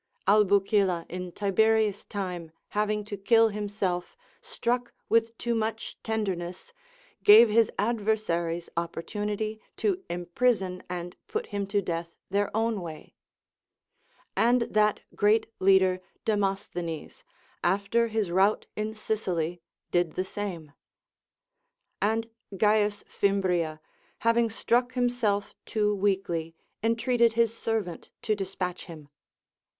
Albucilla in Tiberius time having, to kill himself, struck with too much tenderness, gave his adversaries opportunity to imprison and put him to death their own way.' And that great leader, Demosthenes, after his rout in Sicily, did the same; and C. Fimbria, having struck himself too weakly, entreated his servant to despatch him.